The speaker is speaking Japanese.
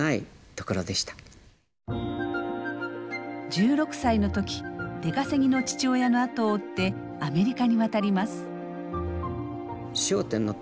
１６歳の時出稼ぎの父親の後を追ってアメリカに渡ります。